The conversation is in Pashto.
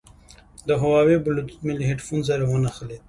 د هوواوي بلوتوت مې له هیډفون سره ونښلید.